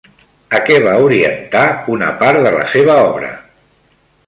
A què va orientar una part de la seva obra?